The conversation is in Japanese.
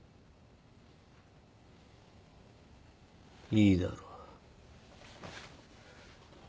いいだろう。